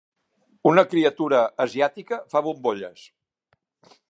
Una criatura asiàtica fa bombolles.